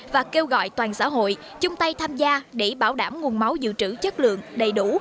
và kêu gọi toàn xã hội chung tay tham gia để bảo đảm nguồn máu dự trữ chất lượng đầy đủ